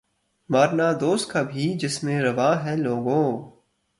مارنا دوست کا بھی جس میں روا ہے لوگو